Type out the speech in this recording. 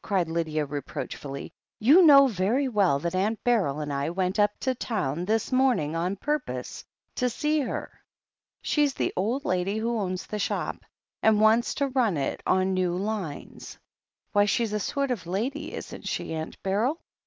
cried Lydia reproachfully, "you know very well that Aunt Beryl and I went up to town this morning on purpose to see her. She's the old lady who owns the shop, and wants to run it on new lines. Why, she's a sort of ladj^ isn't she, Aunt Beryl?"